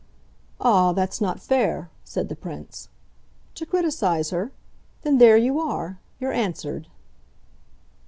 "Ah, that's not fair!" said the Prince. "To criticise her? Then there you are! You're answered."